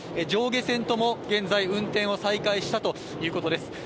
上下線とも現在運転を再開したということです。